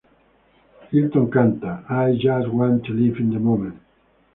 Hilton canta: "I just want to live in the moment!